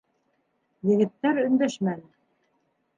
Егеттәр өндәшмәне.